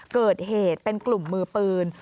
เกิดเหตุเป็นกลุ่มมือปืน